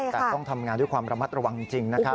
แต่ต้องทำงานด้วยความระมัดระวังจริงนะครับ